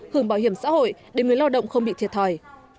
hưởng bảo hiểm xã hội để người lao động không bị thiệt thòi